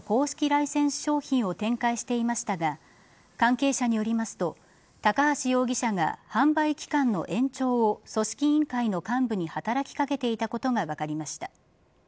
ライセンス商品を展開していましたが関係者によりますと高橋容疑者が販売期間の延長を組織委員会の幹部に働き掛けていたことが分かりました。